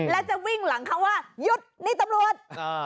และจะวิ่งหลังเขาว่าหยุดนี่ตำรวจ